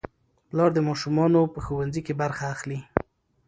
پلار د ماشومانو په ښوونځي کې برخه اخلي